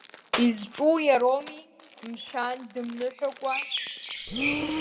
Изҿу иароуми, мшәан, дымныҳәакәа.